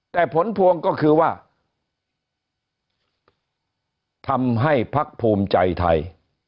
แต่ผลพวงก็คือว่าทำให้พักภูมิใจไทย